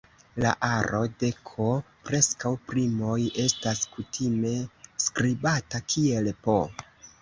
La aro de "k"-preskaŭ primoj estas kutime skribata kiel "P".